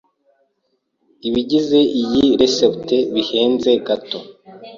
Ibigize iyi resept bihenze gato.